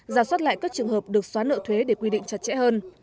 giả soát lại các trường hợp được xóa nợ thuế để quy định chặt chẽ hơn